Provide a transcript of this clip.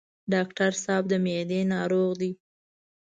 ډاکټر صاحب د معدې ناروغ دی.